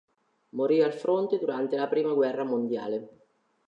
Morì al fronte durante la Prima Guerra Mondiale.